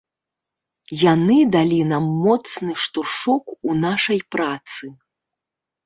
Яны далі нам моцны штуршок у нашай працы.